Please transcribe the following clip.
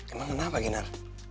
emang kenapa giner